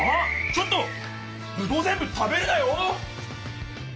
ちょっとぶどうぜんぶ食べるなよ！